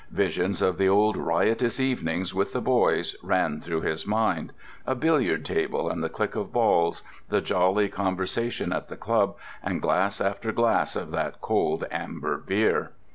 Visions of the old riotous evenings with the boys ran through his mind; a billiard table and the click of balls; the jolly conversation at the club, and glass after glass of that cold amber beer.